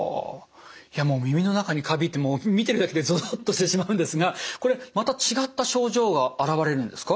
いや耳の中にカビって見てるだけでゾゾッとしてしまうんですがこれまた違った症状が現れるんですか？